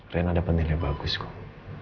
rena ada penilai bagus kum